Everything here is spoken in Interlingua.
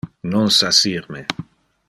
Non sasir me.